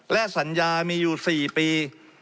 และสัญญามีอยู่๔ปี